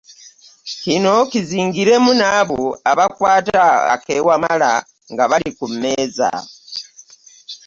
Kino kizingiremu n’abo abakwata akeewamala nga bali ku mmeeza.